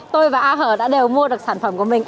tôi và a hờ đã đều mua được sản phẩm của mình